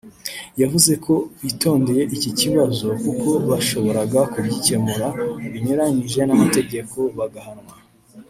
yavuze ko bitondeye iki kibazo kuko bashoboraga kugikemura binyuranyije n’amategeko bagahanwa